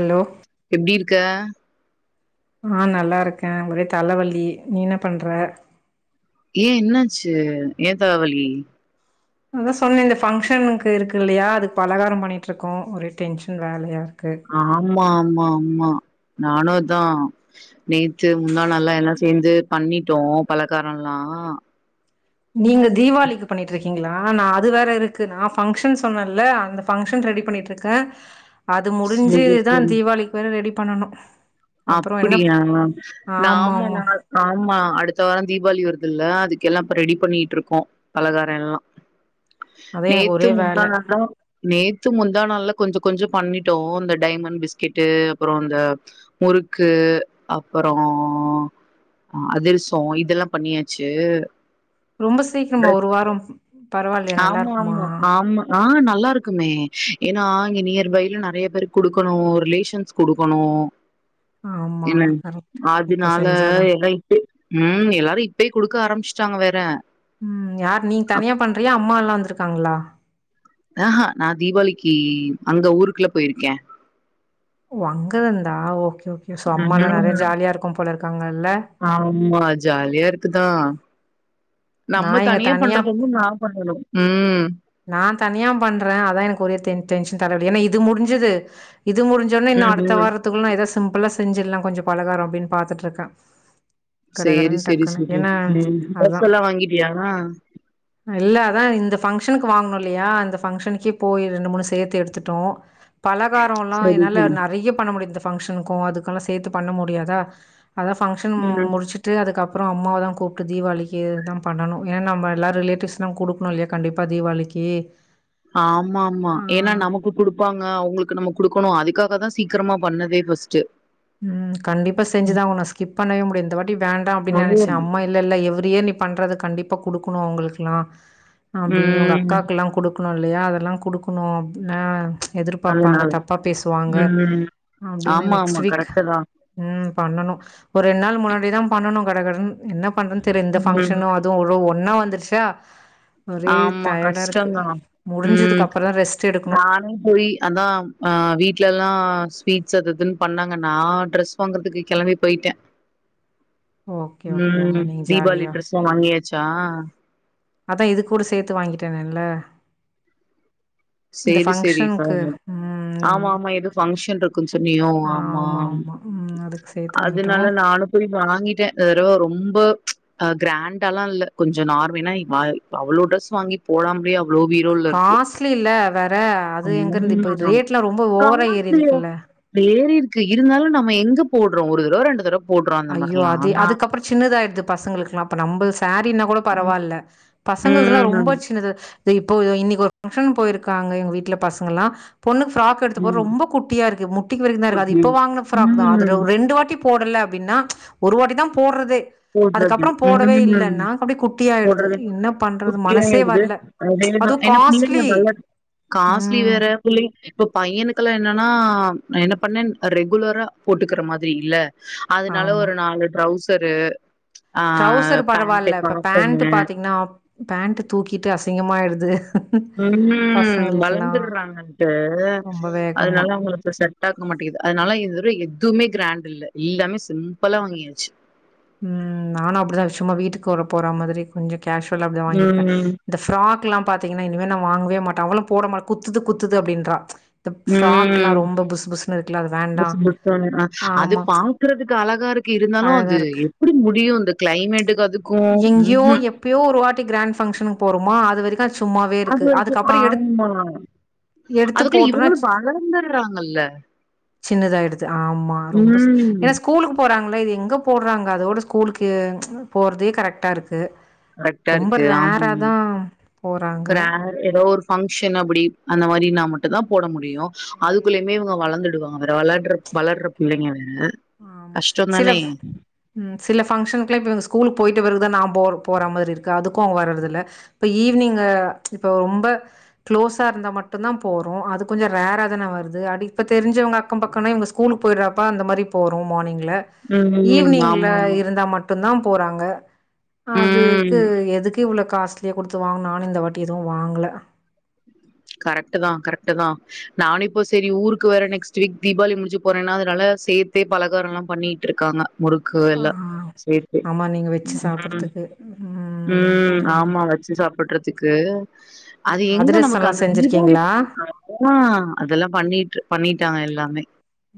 Hello எப்டி இருக்க ஆ நல்லா இருக்க ஒரே தலவலி நீ என்ன பண்ற ஏ என்னாச்சு ஏ தலவலி அதா சொன்ன இந்த ஃபங்க்ஷனுக்கு இருக்கு இல்லையா அதுக்கு பலகாரம் பண்ணிட்டு இருக்கோ ஒரு டென்ஷன் வேலையா இருக்கு ஆமாம் ஆம்மா நானு தா நேத்து முந்தா நாள்ல எல்லா சேந்து பண்ணிட்டோ பலக்காரல்லா நீங்க தீவாளிக்கு பண்ணிட்ருக்கீங்களா நா அது வேற இருக்கு நா ஃபங்ஷன் சொன்னல்ல அந்த ஃபங்ஷன் ரெடி பண்ணிட்ருக்க அது சரி, முடிஞ்சுதா தீவாளிக்கு வேற ரெடி பண்ணணு அப்பிடியா ஆமா நாம ந ஆமா ஆமா அடுத்த வாரோ தீபாவளி வருதுல்ல அதுக்கெல்லா இப்ப ரெடி பண்ணிட்டு இருக்கோ பலகாரோ எல்லா அதா எனக்கு நேத்து ஒரே வேல முந்தாநாள்ல நே து முந்தா நாள்ல கொஞ்சோ கொஞ்சோ பண்ணிடோ இந்த டைமண்ட் பிஸ்கெட்டு் அப்புறோ இந்த முறுக்கு அப்பறோ அ அதிரசோ இதெல்லா பண்ணியாச்சு ரொம்போ சீக்கிரமா ஒரு வாரோ பரவாயில்லையா நல்லா ஆமா இருக்குமா ஆமா ஆமா ஆஹ் நல்லாருக்குமே ஏனா இங்க நியர் பைல நறையா பேருக் குடுக்கணு ரிலேஷன்ஸ்க் குடுக்கணு ஆமா என்ன கரெக்ட் இப்ப அதுனால செஞ்சாதா எல்லா இப்போ ம் எல்லாரு இப்யு குடுக்க ஆரம்பிச் தாங்க வேற ம் யார் நீ அப் தனியா பண் பிரியா அம்மா எல்லா வந்துருக்காங்களா ஆஹா நா தீபாளிக்கு அந்த ஊருக்குள்ள போயிருக்கே ஓ அங்கருந்தா ஓக் ஓகே சோ அம்மாலா நெறைய ம். ஜாலிய இருக்கு போல காங்க ஆமா ஜாலியா இருக்குதா நம்ம நான் இங்க தனியா பண்றதோன்னு நா பண்ணணு ம் நா தனியா பண்ற அதா எனக்கு ஒரே டென் டென்ஷன் தலவலி ஏன்னா இது முடிஞ்சிது இது முடிஞ்சோனே இன்னு அடுத்த ம். வாரத்துக்குள்ள எதா சிம்பிளா செஞ்சர்லா கொஞ்சோ பலகாரோ அப்டின் பாத்துட்ருக்கே சேரி சேரி [unintelligible] ம் அதான். டிரெஸ் எல்லா வாங்கிட்டியா ப்றோ இந்த ஃபங் ஷன்க்கு வாங்னு இல்லையா அந்த பங்க்ஷனுக்கே போயி ரெண்டு மூணு சேத்து எடுத்துட்டோ பலகாரோலா சரி, என்னால சரி. நெறைய பண்ண முடியு இந்த ஃபங்க்ஷன்க்கு அது துகுலா சேத்து பண்ண முடியாதா அதா ஃபங்ஷன் ம். முடிச்சுட்டு அதுக்கு அப் அப்றோ அம்மாவ தா கூப்ட்டு தீபாவளிக்கு இதுதா பண்ணனு ஏன்னா நம்ம எல்லா ரிலேட்டிவ்ஸ்லா குடுக்கணு இல்லயா கண்டிப் ப தீவாளிக்கி ஆமா ஆமா ஏன்னா நமக்கு குடுப்பாங்க அவங்களுக் நம்ம குடுக்கணு அதுக்காக தா சீக்கிரமா பண்ணதே ஃபஸ்டு ம் கண்டிப்பா செஞ்சுதா ஆவணு ஸ்கிப் பண்ணவே முடியாது இந்த வாட்டி வேண்டா அப்டின்னு நெனைச்சே அம்மா இல்ல இல்ல இவரு பிரியாணி பண்றது கண்டிப்பா குடுக்கணு அவங்களுக்குல்லா அப்டின்னு இவுங்க ம். அக்காக்குலா குடுக் குடுக்கணு இல்லயா அதெல்லா குடுக்கணு அப்டினு எதிர்பாப்பாங்க அதனால. தப்பா பேசுவாங்க அப்டின்னு நெக்ஸ்ட் வீக் டுதா உம் பண்ணணு ஒரு ரெண்நாள் முன்னாடி தா பண்ணனு கட கடனு என்ன பண்றன்னு தெரிய இந்த ம். பங்க்ஷனு அதுவு ஒன்னா வந்துருசா ஆமா கஷ்டந்தா உம் முடிஞ்சதுக்கு அப்புறம் தான் ரெஸ்ட் எடுக்கணும். நானே போய் அதா அஹ் வீட்லேல்லா பீட்ஸ் அது இதுன்னு பண்ணாங்க நா ட்ரெஸ் வாங்குறதுக்கு கெளம்பி போயிட்ட ஓகே ஓகே உம் அம்மா நீங்க தீபாவளி ஜாலியா ட்ரெஸ்லா வாங்கியாச் ஜா அதா இது கூட சேத்து வாங்கிட்டனேன்ல செரி செரி இ பாருங்க ஆமா ம். ஆமா எதோ ஃபங்ஷன் இருக் கொஞ்சோ நீயோ ஆமா ஆமாமா. ம். அதுக்கு சேர்த்து வாங்கிட்டோம். அதனால நானு போய் வாங்கிட்ட இந்த தடவ ரொம்ப அ கிராண்டாலா இல்ல கொஞ்ச நார்ம ஏனா ஐ அவ்ளோ ட்ரெஸ் வாங்கி போடாமலே அவ்ளோ பீரோல்ல இருக்கு காஸ்ட்லி இல்ல வேற. [inaudible] அது எங்கருந்து இப்ப ரேட்லாம் ரொம்ப ஓவரா காஸ்ட்லியா ஏறிருக்குல்ல. ஏறி இருக்கு இருந்தாலு நம்ம எங்க போடுறோ ஒரு தடவ ரெண்டு தடவ போடுறோ அந்த ஐயோ மாரிலா அதே அதுக்கப்றோ சின்னதாயிடுது பசங்களுக்குல்லா அப்ப நம்மள்து சாரீன்னா கூட ம் பரவால்ல பசங்கல்துல்லா ரொம்ப ம் சின்னது இ இப்போ இன்னிக்கு ஒரு பங்ஷன் போயிருக்காங்க எங்க வீட்டுல பசங்க எல்லா பொண்ணுக்கு ஃப்ராக் எடுத்து போடுறோ ம் ரொம்ப குட்டியா இருக்கு முட்டிக்கு வரைக்குதா இருக்கு அது ஓகே இப்ப வாங்கின ப்ராக் தா அதுர ம் ரெண்டு வாட்டி போடல அப்டின்னா ஒரு வாட்டி தா போட்றதே போடறது, உம் அப்டியே குட்டியாயிடுது. போடறது என்ன பண்றது? குட்டியா மனசே ஆயிறது, வரல. அதேதா அதுவும் என்ன நீங்க காஸ்ட்லி. யே டல்லா, காஸ்ட்லி ம். வேற, புள்ளைங்க இப்ப பையனுக்கெல்லா என்னனா, நா என்ன பண்ணன் ரெகுலரா போட்டுக்கிறமாரி இல்ல அதனால ஆமா. ஒரு நாலு ட்ரௌஸ் த்தரு ட்ரௌசர் பரவால்ல, இப்ப பேண்ட் காட்டனு பாத்தீங்னா, பேண்ட்டு தூக்கிட்டு அசிங்கமாயிருது உஹிம் வளந்துர்றாங்கன்ட்டு ரொம்ப வேகமா. அதனால அவங்ளுக்கு செட்டாக்க மாட்டிக்கிது அதுனால இது வர எதுமே கிராண்ட் இல்ல எல்லாமே சிம்பிளா வாங்கியாச்சு உம் நானு அப்டிதா சும்மா வீட்டுக்கு வர போற மாதிரி கொஞ்ச கேஷுவலா அப்டி வாங்கிருக்க ம் இந்த ஃப்ராக் ல்லா பாத்தீங்கனா இனிமே நா வாங்கவே மாட்ட அவளு போடமா குத்துது குத்துது அப்டின்றா இந்த ஃப்ராக்லா உம் ரொம்ப புசு புசுன்னு இருக்குல்ல அது வேண்டா. புசு புசுனு ஆஹ் அது ஆமா பாக்குறதுக்கு அழ காருக் இருந்தாலு அழகா அது இருக்கு. எப்டி முடியு இந்தக் க்ளைமேட்டுக்கு அதுக்கு உஹும் டி கிராண்ட் ஃபங்ஷனுக் போறோமா அது வரைக்கு சும்மாவே அது இருக்கு. வரைக்கு அதுக்கப்புறோ எடுத் ஆமா எடுத்து அதுக்குள்ள போட்டோனா இவங்களு வளந்துர்றாங்கல்ல சின்னதாயிடுது ஆமா ரொம்ப சே ஏ ஸ்கூலுக்கு போறாங் கலா இது எங்க போட்றாங்க அதோட ஸ்கூலுக்கு போறதே கரெக்டாருக்கு கரெக்டா இருக்கு ஆம் போறாங்க ரேர் எதோவொரு ஃபங்க்ஷன் அப்டி‌ அந்த மாரினா மட்டுதா போட முடியு ம் அதுக்குள்ளயுமே இவங்க வளந்துட் வெளையாட்ற வளர்ற பிள்ளைங்க ஆமாம் சில கஷ்டந்தானே ப் சில பங்க்ஷனுக்லாம் இப்பவ ஸ்கூலுக்கு போயிட்டு வருதா நா போ போற மாரி இருக்கு அதுக்கு அவ வரதில்ல, இப்ப ஈவ்னிங்க இப்ப ரொம்ப க்ளோசா இருந்தா மட்டும்தான் போறோம். அது கொஞ்சம் ரேராதான வருது, அது இப்ப தெரிஞ்சவங்க அக்கம் பக்கனா இவுங்க ஸ்கூலுக்கு போயிரப்ப அந்த மாரி. போறோம் மார்னிங்ல ல ம் ஈவ்னிங்ல ஆமா ஆமா இருந்தா மட்டு மட்டுந்தா போறாங்க ம் அதுக்கு எதுக்கு இ்வ்ளோ காஸ்லியா குடுத்து வாங் நானு இந்த வாட்டி எதுவும் வாங்கல கரெக்டுதா கரெக்டுதா, நானு இப்போ சரி ஊருக்கு வேற நெக்ஸ்ட் வீக் தீபாளி முடிஞ்சு போறனா, அதனால சேத்தே பலகாரலா பண்ணிட்ருக்காங்க. முறுக்கு ஆ எலாம் சேர்த்து, ஆமா நீங்க வெச்சு ம் சாப்புட்றதுக்கு ம் பரவால்ல ஆமா வச்சு சாப்படறதுக்கு, அது ம் எங்க அதிரசோ நமக்கு எல்லா அந்த செஞ்சிருக்கீங்களா தீபாளிக் ஆ அதெலா, அதெலாம் பண்ணிட்டு பண்ணிட்டாங்க எல்லாமே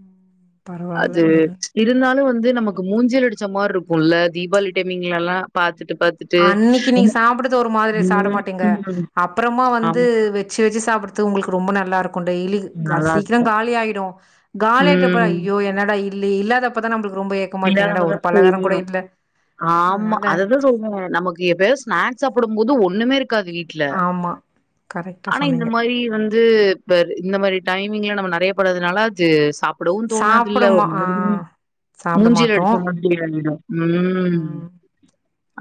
ம் பரவால்ல அது ம் இருந்தாலும் வந்து நமக்கு மூஞ்சில அடிச்ச மாரி இருக்கும்ல்ல தீபாவளி டைமிங்ல எல்லாம் பாத்துட்டு பாத்துட்டு அன்னைக்கு நீங்க சாப்படுறது ஒரு மாரி ம் சாப்படமாட்டீங்க ம் அப்புறமா வந்து ஆமா வச்சி வச்சி சாப்ட்றது உங்களுக்கு ரொம்ப நல்லாருக்கும் [unintelligible] டெய்லி நல்லா சீக்கிரம் இருக்கு காலி ஆயிடும் காலிப்புறம் ஐயோ என்னடாஐ இல்ல இல்லாதப்பதான் நம்மளுக்கு ரொம்ப ஏக்கமா இருக்கு என்னடா ஒரு இல்லாதமதான் பலகாரோ கூட தெரியணும் இல்ல ஆமா அதனால அததான் சொல்வ நமக்கு எதவாது ஸ்னாக்ஸ் சாப்பிடும் போது ஒண்ணுே இருக் இருக்காது வீட்ல ஆமா கரெக்டா ஆனா சொன்னீங்க இந்த மாரி வந்து இந்த மாரி டைமிங்ல நம்ம பேபட்றதுனால அது சாப் சாப்பிடவும் தோணாதுல சாப்புடுமா ஒரு ஆ மாரி சாப்ட மூஞ்சில மாட்டோ அடிச்ச மாதிரி ஆயிடும் [unintelligible] ம்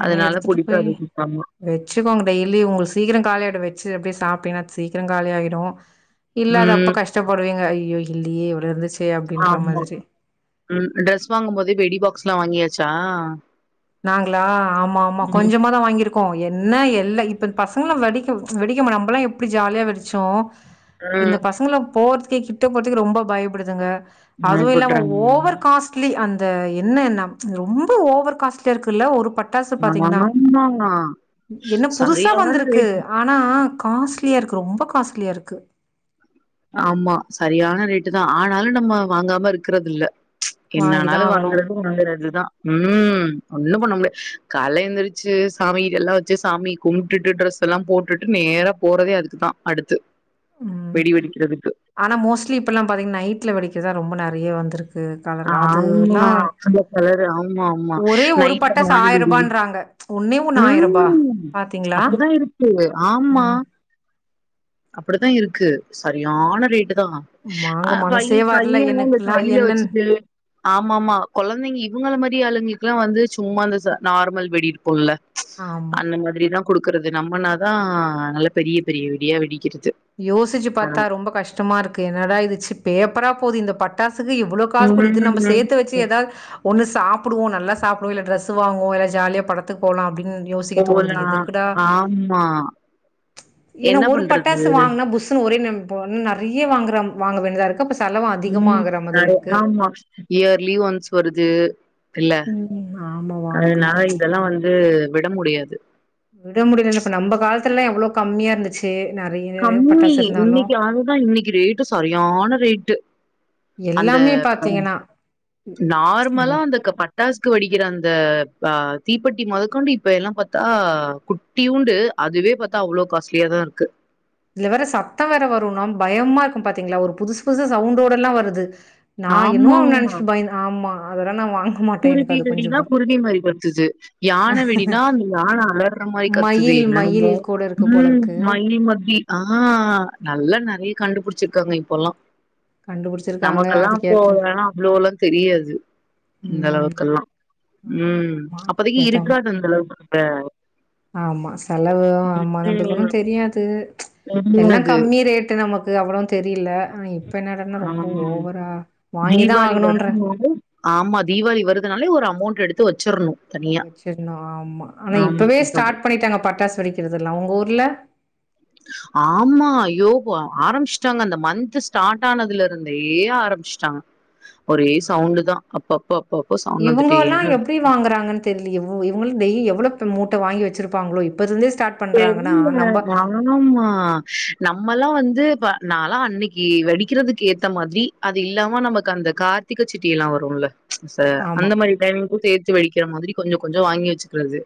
ஆனா அதனால எடுத்துட்டு போய் புடிக்காது சுத்தமா வச்சுக்கோங்க டெய்லி உங்களுக்கு சீக்கிரம் காலியாடும் வச்சு அப்படியே சாப்ப அப்பிடினா சீக்கிரம் காலியாகிடும் இல்லாத அப்ப ம் கஷ்டப்படுவிங்க ஐயோ யோய் இல்லயே இவ்ளோ இருந்து ஆமா ட்ரெஸ் வாங்கும் போது வெடி பாக்ஸ் வாங்கியாச்சா நாங்களா ஆமா ஆமா ம். கொஞ்சம தான் வாங்கிருக் கோம் என்ன எல்ல இப்ப பசங்களல்லாம் வெடிக்க வெடிக்க நம்மல்லாம் எப்படி ஜாலியா வெடிச்சோம் இந்த ம். பசங்கல போறது வெடி கிட்ட போறதுக்கு ரொம்ப பயப்படுதுங்க அதுவும் இல்லாம பயப்படுறாங்க. ஓவர் காஸ்ட்லி அந்த இந்த என்ன என்ன ரொம்ப ஓவர் காஸ்ட்லி [unintelligible] பட்டாசு பாத்தீங்கன்னா ஆமா. என்ன புதுசா சரியான வந்திருக்கு ரேட். ஆனா காஸ்ட்லியா இருக்கு ரொம்ப காஸ்ட்லியா இருக்கு ஆமா சரியான ரேட்டு தான் ஆனாலும் நம்ம வாங்காம இருக்கறது இல்ல வாங்கிதான் என்னாலும் ஆகணும். வாங்குறது வாங்குறதுதான் உம் ஒன்னும் பண்ண முடியாது காலேல எந்திருச்சு சாமி எல்லாம் வச்சு சாமி கும்ட்டுட்டு ட்ரெஸ் எல்லாம் போட்டுட்டு நேரா போறதே அதுக்குதான் அடுத்து ம் வெடி வெடி ஆனா மோஸ்ட்லி இப்ப எல்லாம் பாத்தீங்கன்னா நைட்ல வெடிக்கிறதான் ரொம்ப நெறைய வந்து ஆமா அந்த கலரு ஆமா ஆமா ஒரே ஒரு நைட்ல பட்டாசு வான ஆயிர வெடி ரூபான்றாங்க ஒன்னே ஒண்ணு ஆயிர ரூபா உம் பாத்தீங்களா அப்டிதா இருக்கு ஆமா ம் அப்டித்தான் இருக்கு சரியான ரேட்டு் தா வாங்க ஆஹ் வையு மனசே வரல பையள்ளாம் [unintelligible] எனக்குல்லா கையில வச்சு என்னன் [unintelligible] ஆமா ஆமா குழந்தைங்க இவுங்கள மாதி ந்தி ஆளுங்களுக்கெல்லாம் வந்து சும்மா அந்த ச நார்மல் வெடி இருக்கும்ல ச் ஆமா அந்த மாதிரி தான் குடுக்கறது இத நம்புனா தான் நல்ல பெரிய பெரிய வெடியா வெடிக்கிது யோசிச்சு பாத்தா ரொம்ப கஷ்டமா இருக்கு என்னடா இது ச்சு பே ப்பர் ஆ போது இந்த பட்டாசு துக்கு இவ்ளவு காசு குடு இது நம்ம ம் சேத்து வச்சு ஏதாது ஒன்னு சாப்டுவோம் நல்லா சாப்டுவோம் இல்ல டிரெஸ்ஹு வாங்குவோம் இல்ல ஜாலியா படத்துக்கு போலாம் அப்டினு போலா ஆமா என்ன பண்றது டாசு வாங்னா புஸ்ஸு ஒரே நம போ நெறைய வாங்ற வாங்க வேண்டியதா இருக்கு அப்ப செலவு அதிகமா உம் ஆகுற மாதிரி நெறைய் இருக்கு ஆமா இயர்லி ஒன்ஸ் வருது இல்ல ம் ஆமா வாங்குறோ அதனால இதெல்லாம் வந்து விட முடியாது விட முடிலன்ன இப்ப நம்ம காலத்துல எல்லாம் எவ்ளோ கம்மியா இருந்துச்சு நெறைய கம்மி பட்டாசு இருந்தாலு இன்னைக்கு ஆதுதான் இன்னைக்கு ரேட்டு சரியான ரேட்டு அந்த எல்லாமே பாத்தீங்கன்னா நம்ம நார்மலா அந்த க பட் பட்டாஸ்கு வெடிக்கிற அந்த ஆஹ் தீப்பெட்டி மொதகொண்டு இப்ப எல்லாம் பாத்தா குட்டியூண்டு அதுவே பாத்தா அவ்ளோ காஸ்ட்லி ஏதோ இருக்கு இதுல வேற சத்தம் வேற வரும்னா பயமா இருக்கும் பாத்தீங்களா ஒரு புதுசு புதுசு சவுண்டோட எல்லாம் வருது நான் ஆமா இன்னும் நெனைச்சிட்டு பயன் ஆமா அதெல்லாம் நா வா குருவி வெடினா குருவி மாரி கத்துது யானை வெடினா அந்த யானை அலர்ற மாரி கத்துது மயில் மயில் என்னன்னமோ கூட இருக்கு போல உம் இருக்கு மயி மத்தி ஆஹ் நல்லா நெறைய கண்டுபிடிச்சிருக்காங்க இப்பல்லாம் கண்டுபிடிச்சிருக்காங்க நமக்கெல்லாம் அதுக்கேத்த போகலன்னா அவ்ளோல்லாம் தெரியாது இந்த ம் அளவுக்கெல்லாம் ஆமா உம் ஆமா அப்பதைக்கி ஏத்த இருக்காது அந்த அளவுக்கு [unintelligible] ஆமா செலவு ம் ஆமா நமளுக்கு ஒன்னு தெரியாது எல்லா தெரியாது கம்மி ரேட்டு நமக் இது அவ்ளோ தெரியல ஆனா இப்ப என்னடான்னா ரொம்ப அஹ் ஓவரா வாங்கிதா தீவாளி ஆகணுன்ற வருதுனலே ஆமா தீவாளி வருதுனாலே ஒரு அமௌண்ட் எடுத்து வச்சிறணு வெச்சிட்ணு ஆமா ஆனா இப்பவே ஸ்டார்ட் பண்ணிட்டாங்க பட்டாஸ் வெடிக்கிறதுல்லா உங்க ஊர்ல ஆமா அய்யோ ப ஆரமிச்ட்டாங்க இந்த மந்த் ஸ்டார்ட் ஆனதுலருந்தே ஆரமிச்ட்டாங்க ஒரே சவுண்டுதா அப்பப்ப அப்பப்போ சவுண்ட் வந்துட்டே இவுங்கோல்லா தா எப்டி வாங்கறாங்கன் தெர்லியே ஓ இவுங்கள் டெய்லி எவ்ளோ ப்ரமோத் வாங்கி வச்சிருப்பாங்ளோ இப்பருந்தே தெரியில நானம்மா நம்மல்லா வந்து ப நாலா அன்னைக்கு வெடிக்கிறதுக்கு ஏத்த மாதிரி அது இல்லாம நமக்கு அந்த கார்த்திக சிட்டி எல்லா வருல்ல ச ஆமா அந்த மாரி டைமிங் கூ சே வெடிக்கிற மாதிரி கொஞ்சொ கொஞ்சொ வாங்கி வெச்சுக்றது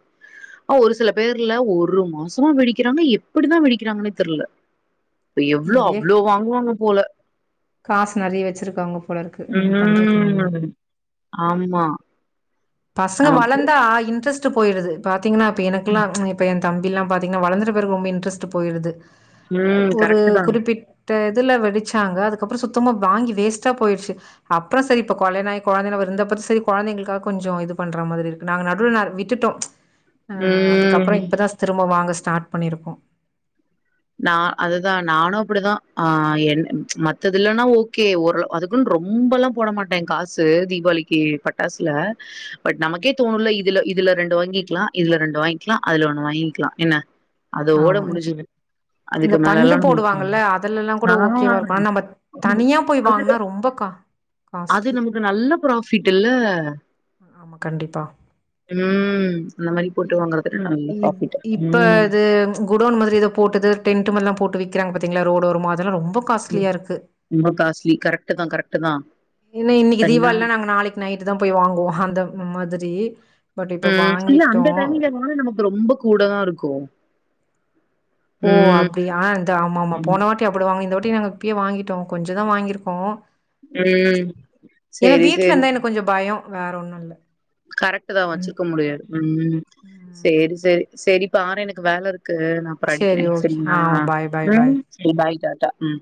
ஒரு சில பேர்ல ஒரு மோசமா வெடிக்கிறாங்க எப்பிடிதா வெடிக்கிறாங்கனே தெர்ல இப்ப எவ்ளோ அவ்ளோ வாங்குவாங்க போல காஸ் நெறைய வச்சிருக்காங்க போலருக்கு என்ன பண்றது நம்ம ம் ஆமா பசங்க நமக்கு வளந்தா இன்ட்ரெஸ்ட் [unintelligible] போயிருது பாத் த்தீங்னா அப்ப எனக்குல்லா ம் இப்ப என் தம்பில்லா பாத்தீங்னா வளந்துட்ட பெறகு ரொம்ப இன்ட்ரஸ்ட் போய்ருது அ ம். ஒரு கரெக்ட்டு தா குறிப்பிட் த இதுல வெடிச்சாங்க அதுக்கப்றோ சுத்தமா வாங்கி வேஸ்ட்டா போய்டுச்சி அப்றோ செரி இப்ப கொலியாணோ ஆயி கொழந்தன்னு [unintelligible] செரி கொழந்தங்களுக்காக கொஞ்சோ இது பண்ற மாதிரிருக்கு நாங்க நடுல்ல விட்டுட்டோ ஆ அதுக்கப்றோ ம் இப்பதா திரும்ப வாங்க ஸ் ஸ்டார்ட் பண்ணிருக்கோ நா அதுதா நானு அப்டிதா ஆ என் மத்தது இல்லன்னா ஓகே ஒரு அதுக்குன்னு ரொம்பலா போட மாட்டே காசு தீபாளிக்கி பட்டாஸ்ல பட் நமக்கே தோணுல இதுல இதுல ரெண்டு வாங்கிக்கிலா இதுல ரெண்டு வாங்கிக்கிலா அதுல ஒன்னு வாங்கிக்கிலா என்ன அதோட ஆமா. முடிஞ்சுது இந்த அதுக்கு பண்டு மேலல்லா நம்ம போடுவாங்கல அதுலல்லா கூட ஆ ஓகேவாருக்கு ஆனா நம்ப தனியா போய் அது வாங்குனா ரொம்பக்கா அது நமக்கு நல்ல ப்ராஃபிட்டுல்ல ஆமா, கண்டிப்பா உம் அந்த மாரி போட்டு வாங்கறது நல்ல ப்ராஃபிட் உம் து குடோன் மாதிரி ஏதோ போட்டுது டென்ட் மாரில்லா போட்டு வி க்கிறாங்க பாத்தீங்ளா ரோடோரமா அதுலா ரொம் ரொம்ப ம் காஸ்ட்லியாருக்கு ரொம்ப காஸ்ட்லி கரெக்ட் தா கரெக்ட் தா இன் இன்னிக்கு சரிங்களா தீபாவளினா நாங்க நாளைக்கு நைட்டுதா போய் வாங்குவோம் அந்த மாதிரி ஜே ம் இல்ல அந்த [unintelligible] போனாலு நமக்கு ரொம்ப கூடதாருக்கு ஓ அப்டி ஆஹா இந்த ஆமா ஆமா ம் போன வாட்டி அப்டி வாங்கிந்தோ இந்த வாட்டி நாங்க இப்பயே வாங்கிட்டோ கொஞ்சதா வாங்கியிருக்கோ உம் ஏன்னா செரி வீட்ல செரி இருந்தா எனக்கு கொஞ்ச பயோ வேற ஒன்னு இல்ல கரெக்ட்டு தா ம் வச்சிருக்க முடியாது உம் செரி ம் செரி செரி பார எனக்கு வேலை இரு க்கு நா அப்புறோ அடிக்கிறே சேரி ஓகே சரிங்களா ஆ பாய் பாய் பாய் ம் செரி பாய் [unintelligible] ட உம்